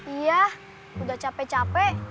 iya udah capek capek